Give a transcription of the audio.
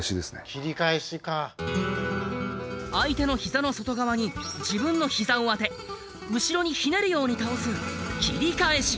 相手の膝の外側に自分の膝を当て後ろにひねるように倒す切り返し。